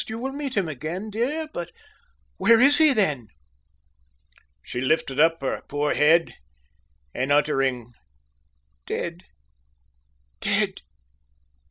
You will meet him again, dear? But where is he, then?" She lifted up her poor head, and uttering "Dead! dead!"